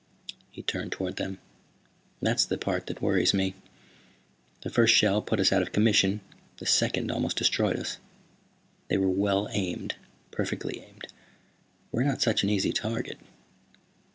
He turned toward them. "That's the part that worries me. The first shell put us out of commission, the second almost destroyed us. They were well aimed, perfectly aimed. We're not such an easy target."